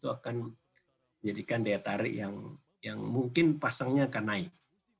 itu akan menjadikan daya tarik yang mungkin pasangnya akan naik